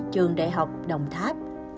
trường đại học đồng tháp